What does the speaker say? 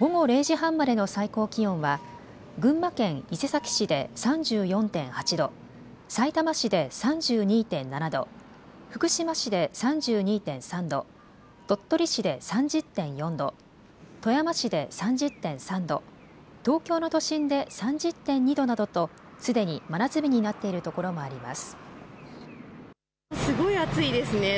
午後０時半までの最高気温は群馬県伊勢崎市で３４．８度、さいたま市で３２．７度、福島市で３２．３度、鳥取市で３０．４度、富山市で３０．３度、東京の都心で３０．２度などとすでに真夏日になっているところもあります。